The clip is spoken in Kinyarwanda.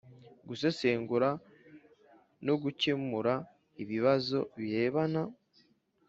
Gusesengura no gucyemura ibibazo birebana